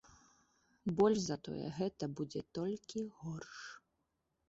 Больш за тое, гэта будзе толькі горш.